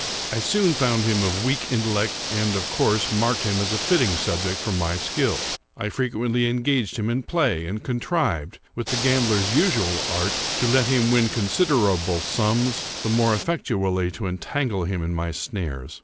I soon found him of weak intellect, and, of course, marked him as a fitting subject for my skill. I frequently engaged him in play, and contrived, with the gambler's usual art, to let him win considerable sums, the more effectually to entangle him in my snares.